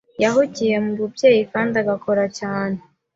yahugiye mububyeyi kandi agakora cyane